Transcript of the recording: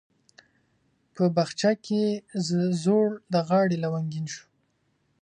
په بخچه کې زوړ د غاړي لونګین شو